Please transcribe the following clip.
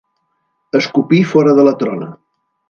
Escopir fora de la trona.